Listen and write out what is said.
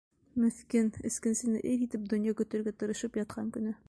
Меҫкен, эскесене ир итеп, донъя көтөргә тырышып ятҡан көнө.